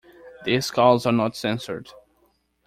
These calls are not censored.